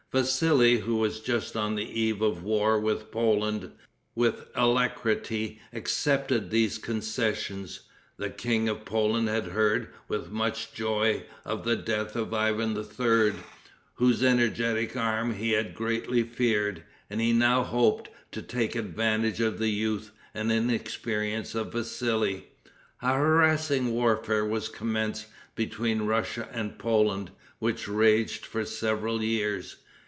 Vassili, who was just on the eve of a war with Poland, with alacrity accepted these concessions. The King of Poland had heard, with much joy, of the death of Ivan III., whose energetic arm he had greatly feared, and he now hoped to take advantage of the youth and inexperience of Vassili. A harassing warfare was commenced between Russia and Poland, which raged for several years.